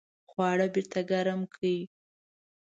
خواړه بیرته ګرم کړئ